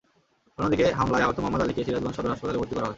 অন্যদিকে হামলায় আহত মোহাম্মদ আলীকে সিরাজগঞ্জ সদর হাসপাতালে ভর্তি করা হয়।